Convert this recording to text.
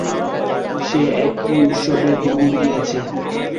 সে এক কী উৎসবের দিনই গিয়াছে।